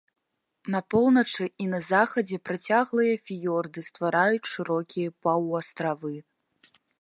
На поўначы і на захадзе працяглыя фіёрды ствараюць шырокія паўастравы.